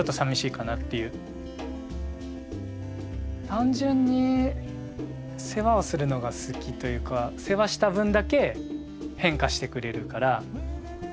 単純に世話をするのが好きというか世話した分だけ変化してくれるから楽しいですよね。